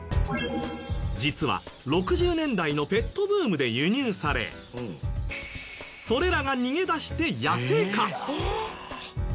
実は６０年代のペットブームで輸入されそれらが逃げ出して野生化。